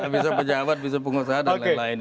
bisa pejabat bisa pengusaha dan lain lain